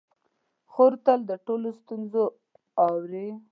خور تل د ټولو ستونزې اوري.